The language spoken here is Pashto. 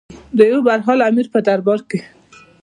د یو برحال امیر په دربار کې.